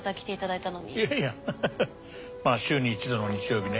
いやいやまぁ週に一度の日曜日ね。